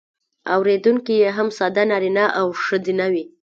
اوریدونکي یې هم ساده نارینه او ښځینه وي.